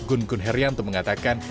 gun gun heryanto mengatakan